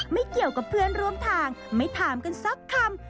ไม่เกี่ยวกับเพื่อนร่วมทางไม่ถามกันสักคำ